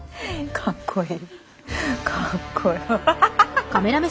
かっこいい！